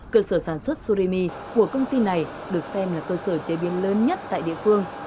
cơ sở sản xuất sorimi của công ty này được xem là cơ sở chế biến lớn nhất tại địa phương